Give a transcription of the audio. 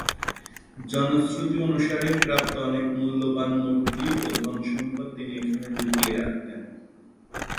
জনশ্রুতি অনুসারে, প্রাপ্ত অনেক মূল্যবান মূর্তি ও ধনসম্পদ তিনি এখানে লুকিয়ে রাখতেন।